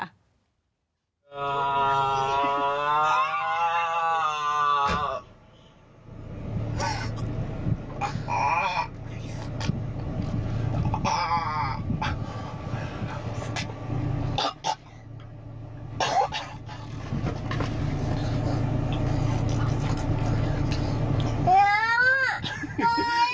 เหลือว่า